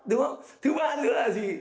đúng không thứ ba nữa là gì